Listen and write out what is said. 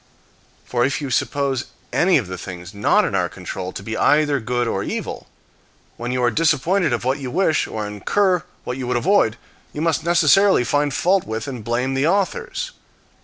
For if you suppose any of the things not in our own control to be either good or evil, when you are disappointed of what you wish, or incur what you would avoid, you must necessarily find fault with and blame the authors.